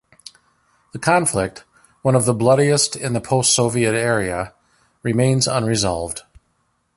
The conflict, one of the bloodiest in the post-Soviet area, remains unresolved.